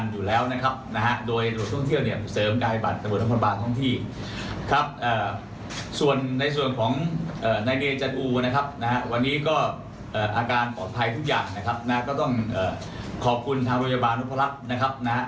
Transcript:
ทุกอย่างนะครับก็ต้องขอบคุณทางโรยบาลนุภารักษณ์นะครับ